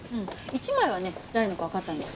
１枚はね誰のかわかったんです。